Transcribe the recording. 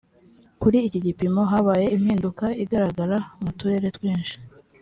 kuri iki gipimo habaye impinduka igaragara mu turere twinshi